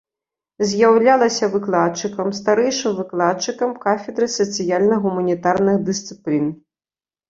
З'яўлялася выкладчыкам, старэйшым выкладчыкам кафедры сацыяльна-гуманітарных дысцыплін.